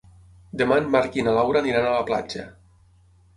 Demà en Marc i na Laura aniran a la platja.